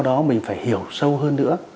đó mình phải hiểu sâu hơn nữa